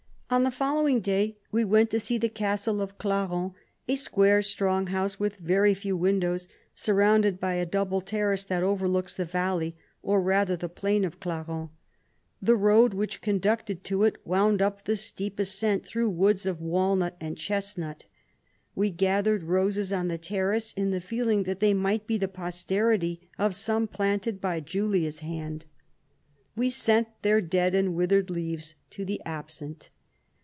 On the following day we went to see the castle of Clarens, a square strong house, with very few windows, sur rounded by a double terrace that over looks the valley, or rather the plain of Clarens. The road which conducted to it wound up the steep ascent through woods of walnut and chesnut. We gathered roses on the terrace, in the feeling that they might be the posterity of some planted by Julia's hand. We 134 sent their dead and withered leaves to the absent.